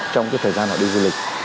trong cái thời gian họ đi du lịch